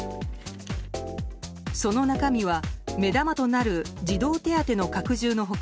その中身は目玉となる児童手当の拡充の他